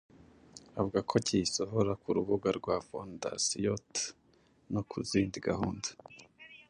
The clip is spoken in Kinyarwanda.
Avuga ko akiyisohora ku rubuga rwa 'Fondasiyot no kuzindi gahunda